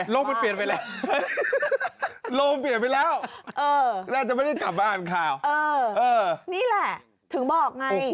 โรงเปลี่ยนไปแล้วน่าจะไม่ได้กลับมาอ่านข่าวเออนี่แหละถึงบอกไง